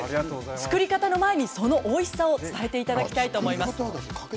作り方の前にそのおいしさを伝えていただきたいと思います。